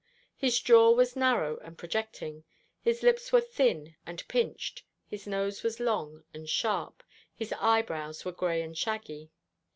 His jaw was narrow and projecting, his lips were thin and pinched, his nose was long and sharp, his eyebrows were gray and shaggy.